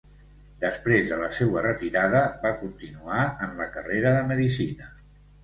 Després de la seua retirada, va continuar en la carrera de Medicina.